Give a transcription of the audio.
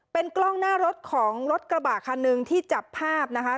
เป็นกล้องหน้ารถของรถกระบะคันหนึ่งที่จับภาพนะคะ